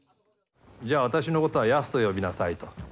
じゃあ私のことはヤスと呼びなさいと。